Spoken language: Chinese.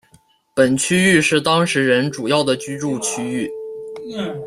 本区域是当时人主要的居住区域。